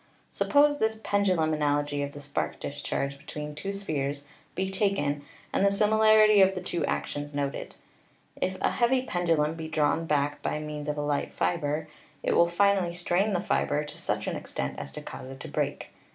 Sup pose this pendulum analogy of the spark discharge be tween two spheres be taken and the similarity of the two actions noted. If a heavy pendulum be drawn back by means of a light fiber, it will finally strain the fiber to such an extent as to cause it to break.